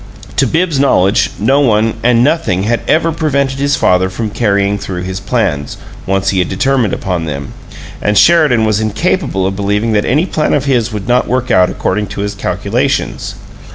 To Bibbs's knowledge, no one and nothing had ever prevented his father from carrying through his plans, once he had determined upon them; and Sheridan was incapable of believing that any plan of his would not work out according to his calculations.